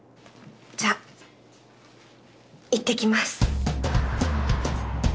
じゃあいってきます。